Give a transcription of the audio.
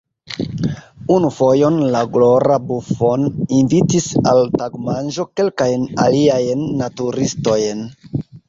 Unu fojon la glora Buffon invitis al tagmanĝo kelkajn aliajn naturistojn.